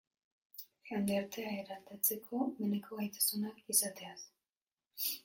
Jendartea eraldatzeko benetako gaitasuna izateaz.